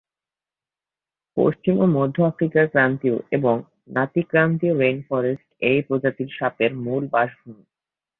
পশ্চিম ও মধ্য আফ্রিকার ক্রান্তীয় এবং নাতি-ক্রান্তীয় রেইন ফরেস্ট এই প্রজাতির সাপের মূল বাসভূমি।